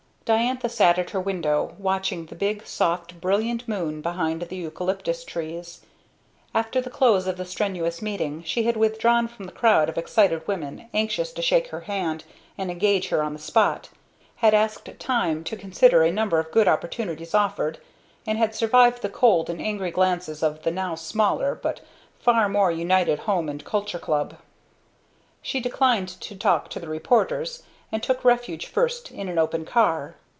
Diantha sat at her window, watching the big soft, brilliant moon behind the eucalyptus trees. After the close of the strenuous meeting, she had withdrawn from the crowd of excited women anxious to shake her hand and engage her on the spot, had asked time to consider a number of good opportunities offered, and had survived the cold and angry glances of the now smaller but far more united Home and Culture Club. She declined to talk to the reporters, and took refuge first in an open car.